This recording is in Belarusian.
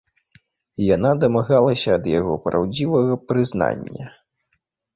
Яна дамагалася ад яго праўдзівага прызнання.